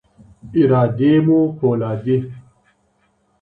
ارادې مو فولادي.